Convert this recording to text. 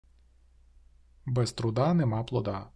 Без труда нема плода.